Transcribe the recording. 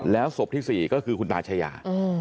แล้วศพที่๔ก็คือคุณตาชายา